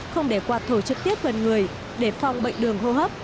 không để quạt thổi trực tiếp gần người để phòng bệnh đường hô hấp